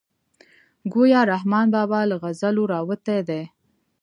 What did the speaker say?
ګویا رحمان بابا له غزلو راوتی دی.